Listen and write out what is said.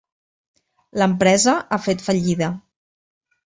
L'empresa ha fet fallida.